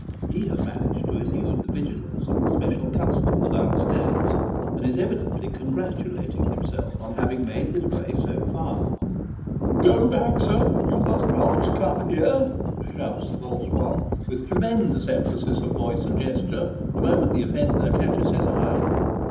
He has managed to elude the vigilance of the special constable down stairs, and is evidently congratulating himself on having made his way so far. "Go back, sir you must not come here," shouts the hoarse. one, with tremendous emphasis of voice and gesture, the moment the offender catches his eye.